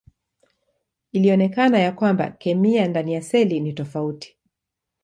Ilionekana ya kwamba kemia ndani ya seli ni tofauti.